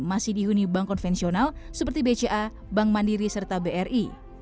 masih dihuni bank konvensional seperti bca bank mandiri serta bri